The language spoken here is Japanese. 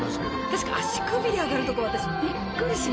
確か足首で上がるとこ私びっくりしました。